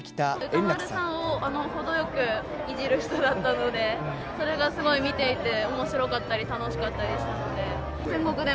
歌丸さんを程よくいじる人だったので、それが見ていておもしろかったり楽しかったりしたので。